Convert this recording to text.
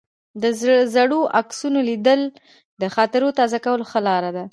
د زړو عکسونو لیدل د خاطرو تازه کولو ښه لار ده.